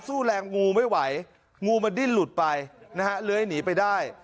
สู้แรงงูไม่ไหวงูมันดิ้นหลุดไปนะฮะเลื้อยหนีไปได้